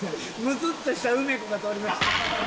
ムスッとした梅子が通りました。